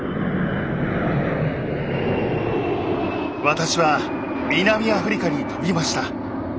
私は南アフリカに飛びました。